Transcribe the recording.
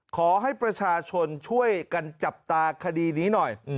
ขอให้ประชาชนช่วยกันจับตาคดีนี้หน่อย